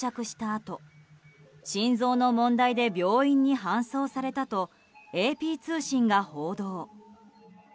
あと心臓の問題で病院に搬送されたとＡＰ通信が報道。